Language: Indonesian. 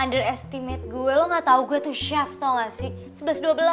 under estimate gue lo gak tau gue tuh chef tau gak sih